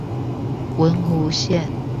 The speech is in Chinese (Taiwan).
文湖線